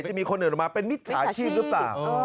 จะมีคนอื่นออกมาเป็นมิจฉาชีพหรือเปล่า